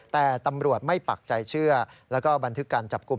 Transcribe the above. แต่ตำรวจไม่ปักใจเชื่อแล้วก็บันทึกการจับกลุ่ม